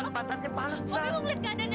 pantannya panas opi mau liat keadaannya